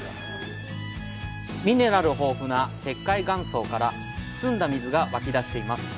ミネラル豊富な石灰岩層から澄んだ水が湧き出しています。